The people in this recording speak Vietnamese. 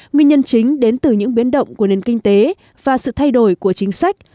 nguyên nhân chính đến từ những biến động của nền kinh tế và sự thay đổi của chính sách